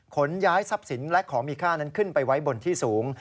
ขนย้ายทรัพย์สินและของมีค่านั้นขึ้นไปไว้บนที่สูง